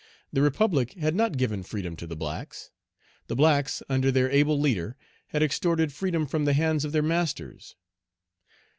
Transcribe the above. The Republic had not given freedom to the blacks. The blacks, under their able leader, had extorted freedom from the hands of their masters.